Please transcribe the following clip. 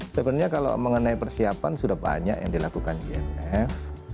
sebenarnya kalau mengenai persiapan sudah banyak yang dilakukan imf